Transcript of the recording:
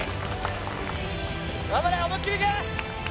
頑張れ、思いっきりいけ！